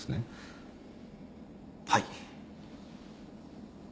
はい。